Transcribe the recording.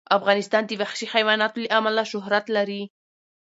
افغانستان د وحشي حیواناتو له امله شهرت لري.